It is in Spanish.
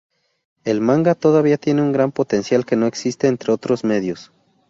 El Manga todavía tiene un gran potencial que no existe en otros medios.